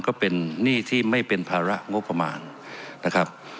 ก็เป็นหนี้ที่ไม่เป็นภาระงบประมาณนะครับ